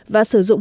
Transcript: và sử dụng